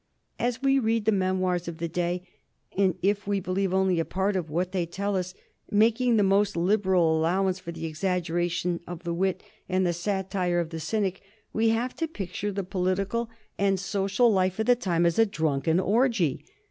As we read the memoirs of the day, and if we believe only a part of what they tell us, making the most liberal allowance for the exaggeration of the wit and the satire of the cynic, we have to picture the political and social life of the time as a drunken orgy.